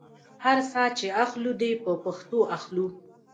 هر ساه چې اخلو دې په پښتو اخلو.